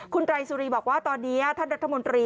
คุณไตรสุรีบอกว่าตอนนี้ท่านรัฐมนตรี